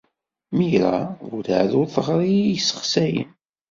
Mira werɛad ur teɣri i yisexsayen.